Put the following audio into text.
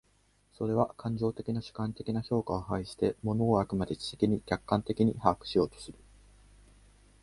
それは感情的な主観的な評価を排して、物を飽くまでも知的に客観的に把握しようとする。